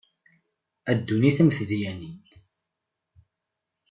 A ddunit a mm tedyanin.